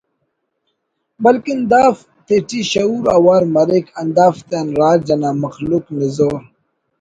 بلکن داف تیٹی شعور اوار مریک ہندافتیان راج انا مخلوق نزور